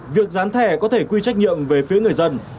việc gián thẻ có thể quy trách nhiệm về phía người dân